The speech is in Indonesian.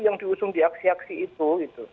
yang diusung di aksi aksi itu